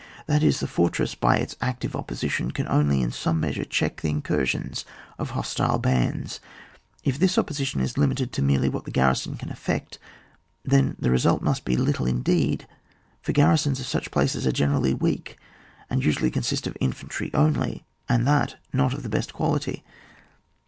That is, the fortress by its active opposition can only in some measure check the incursions of hostile bands. If this opposition is limited to merely what the garrison can effect, then the result must be little indeed, for the garrisons of such places are generally weak and usually consist of infantry only, and that not of the best quality.